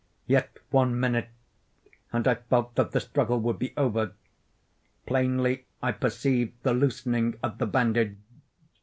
Yet one minute, and I felt that the struggle would be over. Plainly I perceived the loosening of the bandage.